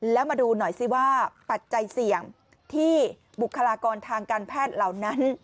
แล้วมาดูหน่อยซิว่าปัจจัยเสี่ยงที่บุคลากรทางการแพทย์เหล่านั้น